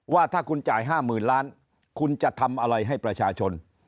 ว่าถ้าคุณจ่าย๕๐๐๐ล้านคุณจะทำอะไรให้ประชาชน